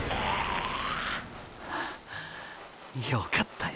よかったよ。